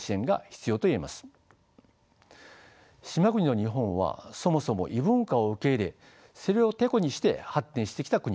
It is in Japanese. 島国の日本はそもそも異文化を受け入れそれをテコにして発展してきた国です。